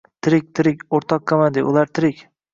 — Tirik, tirik! O’rtoq komandir, ular tirik!